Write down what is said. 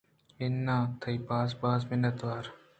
اِنّاں تئی باز باز مِنتّوار